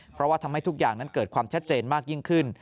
เพราะว่าทำให้ทุกอย่างนั้นเกิดความชัดเจนมากยิ่งขึ้น